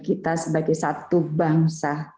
kita sebagai satu bangsa